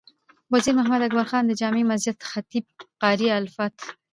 وزیر محمد اکبر خان د جامع مسجد خطیب قاري الفت،